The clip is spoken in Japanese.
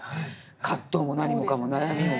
葛藤も何もかも悩みも。